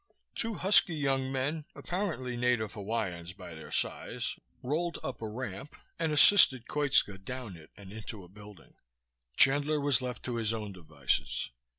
Two husky young men, apparently native Hawaiians by their size, rolled up a ramp and assisted Koitska down it and into a building. Chandler was left to his own devices.